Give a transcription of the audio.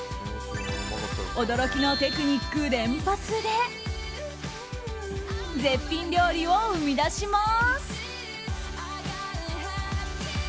驚きのテクニック連発で絶品料理を生み出します。